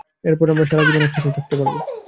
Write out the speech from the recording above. এরপর আমরা সারাজীবন একসাথে থাকতে পারবো!